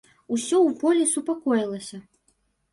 Усё ў полі супакоілася.